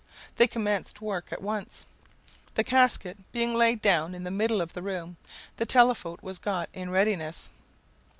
They commenced work at once. The casket being laid down in the middle of the room, the telephote was got in readiness.